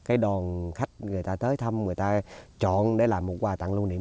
cái đòn khách người ta tới thăm người ta chọn để làm một quà tặng lưu niệm